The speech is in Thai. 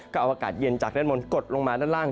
ก็เอาอากาศเย็นจากด้านบนกดลงมาด้านล่าง